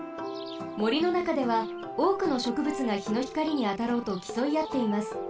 もりのなかではおおくのしょくぶつがひのひかりにあたろうときそいあっています。